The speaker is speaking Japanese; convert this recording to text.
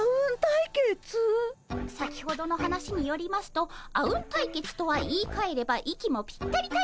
先ほどの話によりますとあうん対決とは言いかえれば息もぴったり対決のこと。